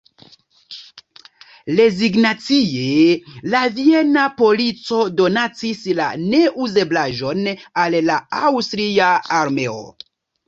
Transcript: Rezignacie la viena polico donacis la neuzeblaĵon al la aŭstria armeo.